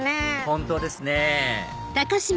本当ですね